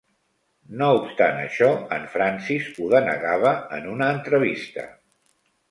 No obstant això, en Francis ho denegava en una entrevista.